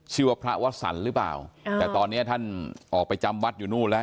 ชื่อว่าพระวสันหรือเปล่าแต่ตอนนี้ท่านออกไปจำวัดอยู่นู่นแล้ว